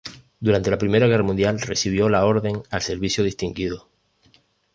Durante la Primera Guerra Mundial recibió la Orden al Servicio Distinguido.